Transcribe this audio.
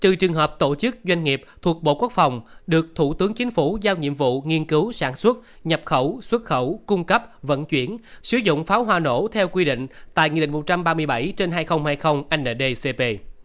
trừ trường hợp tổ chức doanh nghiệp thuộc bộ quốc phòng được thủ tướng chính phủ giao nhiệm vụ nghiên cứu sản xuất nhập khẩu xuất khẩu cung cấp vận chuyển sử dụng pháo hoa nổ theo quy định tại nghị định một trăm ba mươi bảy trên hai nghìn hai mươi ndcp